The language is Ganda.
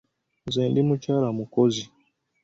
Nze ndi mukyala mukozi.